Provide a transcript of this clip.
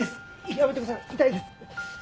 やめてください痛いです。